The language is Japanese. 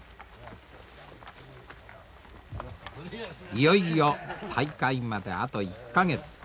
いよいよ大会まであと１か月。